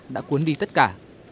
đã cuốn đi tất cả